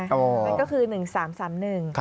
นั่นก็คือ๑๓๓๑